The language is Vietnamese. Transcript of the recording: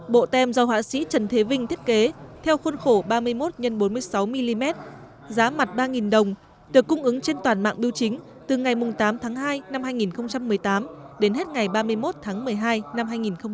bộ tem do họa sĩ trần thế vinh thiết kế theo khuôn khổ ba mươi một x bốn mươi sáu mm giá mặt ba đồng được cung ứng trên toàn mạng biêu chính từ ngày tám tháng hai năm hai nghìn một mươi tám đến hết ngày ba mươi một tháng một mươi hai năm hai nghìn một mươi chín